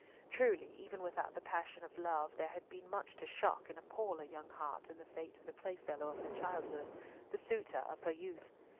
Truly, even without the passion of love, there had been much to shock and appal a young heart in the fate of the playfellow of her childhood, the suitor of her youth.